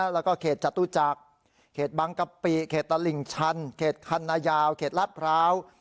แล้วก็เขตจตุจักรเขตบังกะปิเขตตลิ่งชันเขตคันนายาวเขตรัฐพร้าว